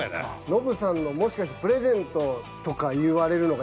ノブさんのもしかして「プレゼント」とか言われるのが嫌。